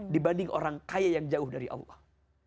dibanding orang kaya yang jauh dari allah